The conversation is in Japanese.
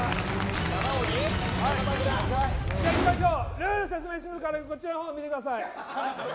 ルールを説明するからこちらを見てください。